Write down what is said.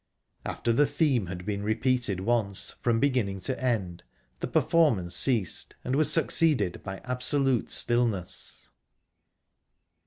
After the theme had been repeated once, from beginning to end, the performance ceased, and was succeeded by absolute stillness.